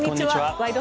「ワイド！